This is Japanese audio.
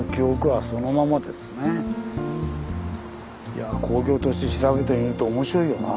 いやぁ工業都市調べてみると面白いよな。